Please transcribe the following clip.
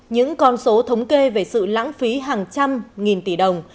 những con số thống kê về sự lãng phí hàng trăm nghìn tỷ đồng